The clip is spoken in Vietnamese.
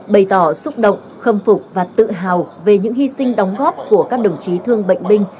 bày tỏ xúc động khâm phục và tự hào về những hy sinh đóng góp của các đồng chí thương bệnh binh